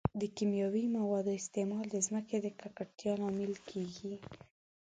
د کیمیاوي موادو استعمال د ځمکې د ککړتیا لامل کیږي.